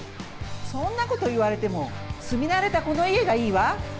そんなこと言われても、住み慣れたこの家がいいわ。